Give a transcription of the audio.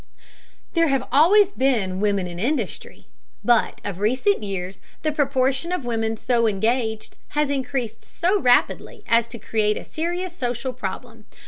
There have always been women in industry, but of recent years the proportion of women so engaged has increased so rapidly as to create a serious social problem.